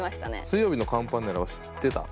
水曜日のカンパネラは知ってた？